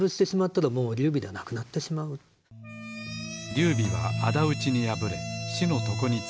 劉備はあだ討ちに敗れ死の床につきます。